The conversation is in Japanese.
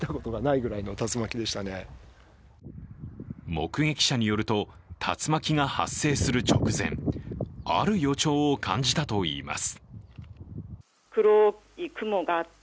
目撃者によると竜巻が発生する直前、ある予兆を感じたといいます。